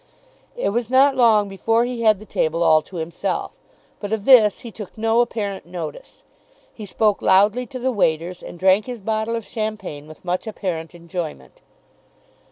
It was not long before he had the table all to himself. But of this he took no apparent notice. He spoke loudly to the waiters and drank his bottle of champagne with much apparent enjoyment.